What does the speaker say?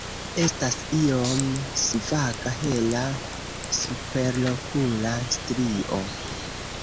Estas iom svaga hela superokula strio.